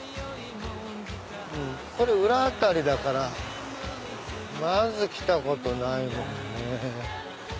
これ裏辺りだからまず来たことないもんね。